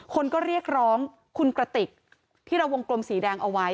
คนก็เรียกร้องคุณกระติกที่เราวงกลมสีแดงเอาไว้